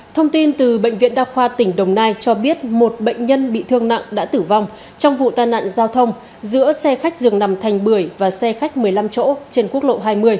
thông tin từ bệnh viện đa khoa tỉnh đồng nai cho biết một bệnh nhân bị thương nặng đã tử vong trong vụ tai nạn giao thông giữa xe khách dường nằm thành bưởi và xe khách một mươi năm chỗ trên quốc lộ hai mươi